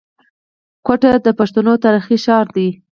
کوټه د پښتنو تاريخي ښار دی.